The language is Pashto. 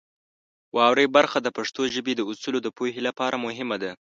واورئ برخه د پښتو ژبې د اصولو د پوهې لپاره مهمه ده.